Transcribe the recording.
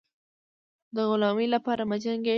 د غلامۍ لپاره مه جنګېږی.